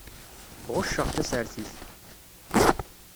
Ɣucceɣ tasertit.